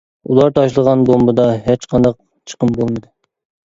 ئۇلار تاشلىغان بومبىدا ھېچقانداق چىقىم بولمىدى.